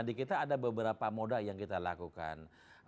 di kita ada beberapa moda yang kita lakukan